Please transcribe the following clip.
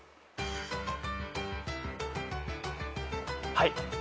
はい。